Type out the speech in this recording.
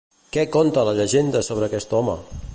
Què conta la llegenda sobre aquest home?